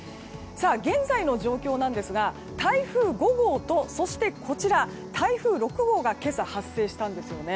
現在の状況ですが台風５号とそして台風６号が今朝、発生したんですよね。